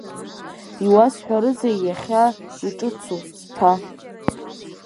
Иуасҳәарызеи иахьа иҿыцу, сԥа?